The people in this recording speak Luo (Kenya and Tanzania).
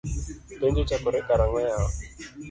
Penj ochakore karang’o yawa?